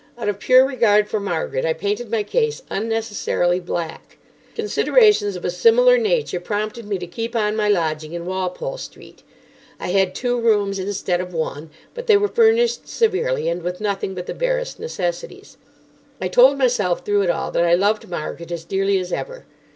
Out of pure regard for Margaret, I painted my case unnecessarily black. Considerations of a similar nature prompted me to keep on my lodging in Walpole Street. I had two rooms instead of one, but they were furnished severely and with nothing but the barest necessaries. I told myself through it all that I loved Margaret as dearly as ever.